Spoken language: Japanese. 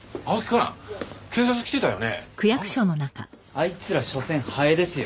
あいつらしょせんハエですよ。